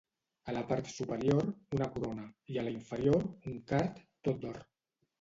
A la part superior, una corona; i a la inferior, un card, tot d'or.